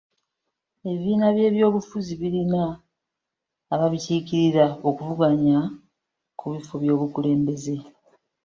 Ebibiina by'ebyobufuzi birina ababikiikirira okuvuganya ku bifo by'obukulembeze.